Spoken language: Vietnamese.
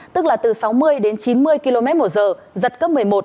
tức là từ sáu mươi đến chín mươi km một giờ giật cấp một mươi một